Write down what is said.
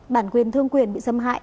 bản quyền thương quyền bị xâm hại